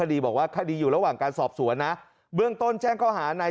โรงเรียนมาจากช่างราย